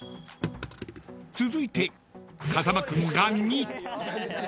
［続いて風間君が２］